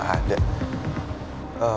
sumpah ke dalam juga gaada